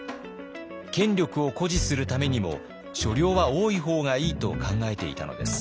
権力を誇示するためにも所領は多いほうがいいと考えていたのです。